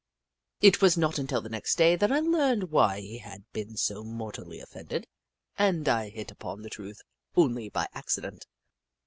It was not until the next day that I learned why he had been so mortally offended, and I Hoot Mon 219 hit upon the truth only by accident.